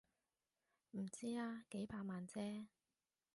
唔知啊，幾百萬啫